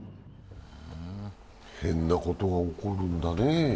変なことが起こるんだね。